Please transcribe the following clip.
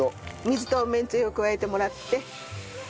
水とめんつゆを加えてもらって。